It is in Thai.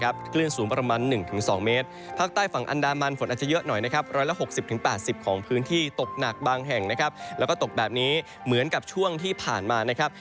บริเวณพื้นที่ภาคบางแห่งและก็ตกแบบนี้เหมือนกับช่วงที่ผ่านมา